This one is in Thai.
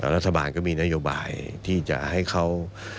รัฐบาลก็มีนโยบายที่จะให้เขา